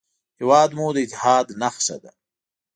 هېواد مو د اتحاد نښه ده